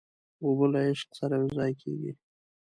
اوبه له عشق سره یوځای کېږي.